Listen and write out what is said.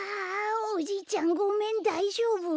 おじいちゃんごめんだいじょうぶ？